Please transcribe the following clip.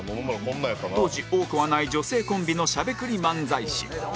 当時多くはない女性コンビのしゃべくり漫才師